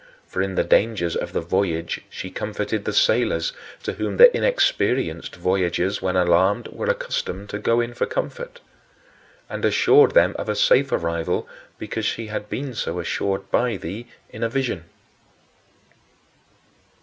For in the dangers of the voyage she comforted the sailors to whom the inexperienced voyagers, when alarmed, were accustomed to go for comfort and assured them of a safe arrival because she had been so assured by thee in a vision.